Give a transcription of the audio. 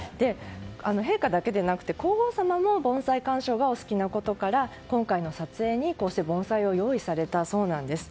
陛下だけでなく皇后さまも盆栽観賞がお好きなことから今回の撮影にこうして盆栽を用意されたそうなんです。